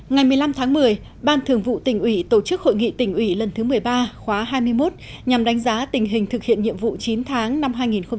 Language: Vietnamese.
ngày một mươi năm tháng một mươi ban thường vụ tỉnh ủy tổ chức hội nghị tỉnh ủy lần thứ một mươi ba khóa hai mươi một nhằm đánh giá tình hình thực hiện nhiệm vụ chín tháng năm hai nghìn một mươi chín